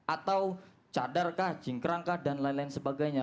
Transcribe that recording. atau cadarkah cingkrangkah dan lain lain sebagainya